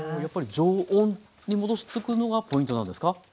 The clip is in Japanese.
やっぱり常温に戻しておくのがポイントなんですか？